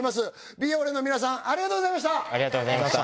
美俺の皆さんありがとうございました！